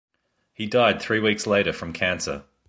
He died three weeks later from cancer.